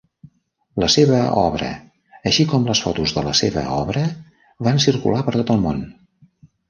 La seva obra, així com les fotos de la seva obra van circular per tot el món.